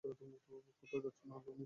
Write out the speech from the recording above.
কোথাও যাচ্ছো না তুমি চলো।